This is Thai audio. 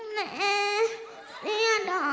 แม่เสียด้อยจัง